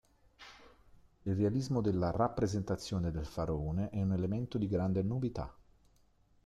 Il realismo della rappresentazione del faraone è un elemento di grande novità.